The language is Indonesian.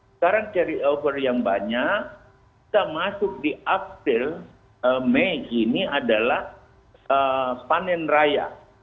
sekarang carry over yang banyak kita masuk di april mei ini adalah panen raya